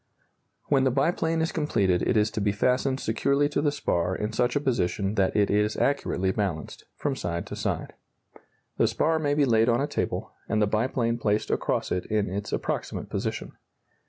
] When the biplane is completed it is to be fastened securely to the spar in such a position that it is accurately balanced from side to side. The spar may be laid on a table, and the biplane placed across it in its approximate position.